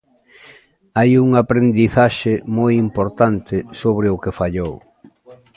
Hai unha aprendizaxe moi importante sobre o que fallou.